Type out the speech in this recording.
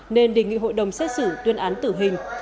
nên đề nghị hội đồng xét xử tuyên án tử hình